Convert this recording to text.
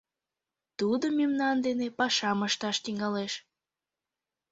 — Тудо мемнан дене пашам ышташ тӱҥалеш.